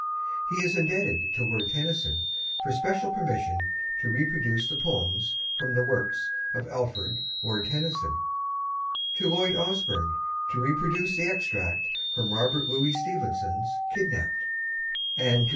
He is indebted to Lord Tennyson for special permission to reproduce the poems from the works of Alfred, Lord Tennyson; to Lloyd Osbourne for permission to reproduce the extract from Robert Louis Stevenson's "Kidnapped"; and to C.